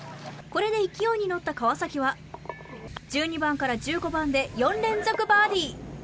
これで勢いに乗った川崎は１２番から１５番で４連続バーディー。